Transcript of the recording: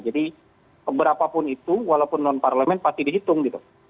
jadi keberapapun itu walaupun non parlemen pasti dihitung gitu